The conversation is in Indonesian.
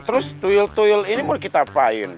terus tuyul tuyul ini mau kita apa in